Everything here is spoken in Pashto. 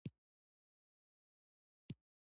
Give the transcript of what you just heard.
موزیک د باران په څاڅو کې اورېدل کېږي.